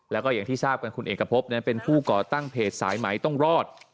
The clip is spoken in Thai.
แล้วก็อย่างที่ทราบกันคุณเอกพบเป็นผู้ก่อตั้งเพจสายไหมต้องรอด